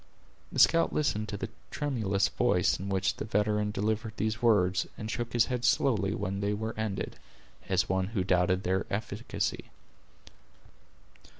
The scout listened to the tremulous voice in which the veteran delivered these words, and shook his head slowly when they were ended, as one who doubted their efficacy.